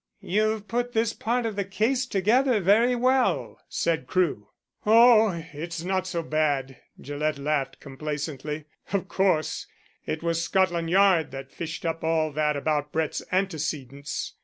"You've put this part of the case together very well," said Crewe. "Oh, it's not so bad," Gillett laughed complacently. "Of course it was Scotland Yard that fished up all that about Brett's antecedents.